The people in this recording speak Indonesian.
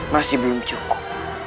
masih belum cukup